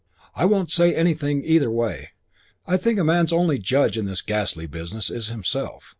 I won't say anything either way. I think a man's only judge in this ghastly business is himself.